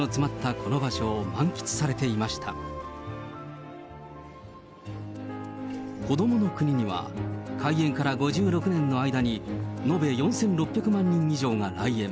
こどもの国には、開園から５６年の間に、延べ４６００万人以上が来園。